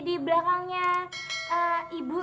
di belakangnya ibu